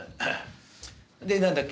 で何だっけ？